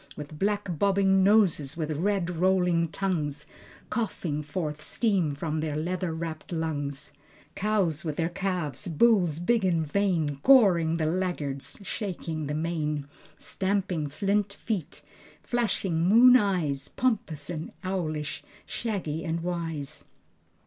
With black bobbing noses, with red rolling tongues, Coughing forth steam from their leather wrapped lungs, Cows with their calves, bulls big and vain, Goring the laggards, shaking the mane, Stamping flint feet, flashing moon eyes, Pompous and owlish, shaggy and wise.